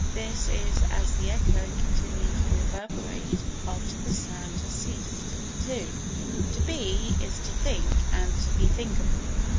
This is as the echo continuing to reverberate after the sound has ceased. ii To be is to think and to be thinkable.